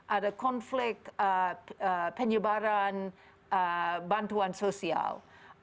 ada konflik penyebaran bantuan sosial